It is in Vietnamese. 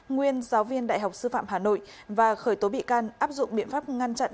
nguyên giáo viên đại học sư phạm hà nội và khởi tố bị can áp dụng biện pháp ngăn chặn